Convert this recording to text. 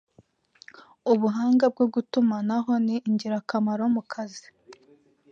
Ubuhanga bwo gutumanaho ni ingirakamaro mu kazi